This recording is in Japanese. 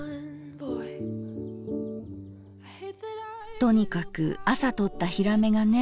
「とにかく朝とったヒラメがね